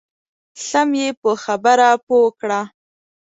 سم یې په خبره پوه کړه.